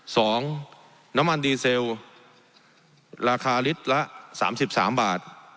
สองน้ำมันดีเซลราคาลิตละ๓๓บาท